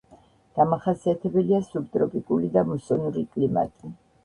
დამახასიათებელია სუბტროპიკული და მუსონური კლიმატი.